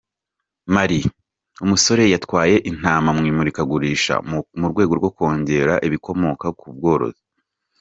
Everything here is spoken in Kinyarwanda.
Mali: Umusore yatwaye intama mu imurikagurisha mu rwego rwo kongera ibikomoka ku bworozi.